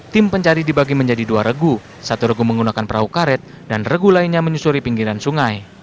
tim pencari dibagi menjadi dua regu satu regu menggunakan perahu karet dan regu lainnya menyusuri pinggiran sungai